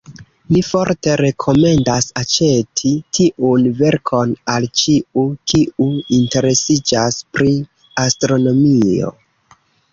Mi forte rekomendas aĉeti tiun verkon al ĉiu, kiu interesiĝas pri astronomio!